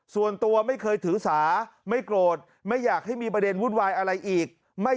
ส่วนตัวไม่เคยถือสาไม่โกรธไม่อยากให้มีประเด็นวุ่นวายอะไรอีก